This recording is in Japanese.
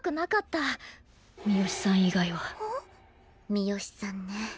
三好さんね。